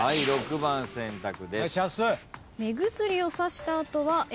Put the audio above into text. ６番選択です。